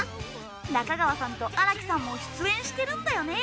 中川さんと新木さんも出演してるんだよね。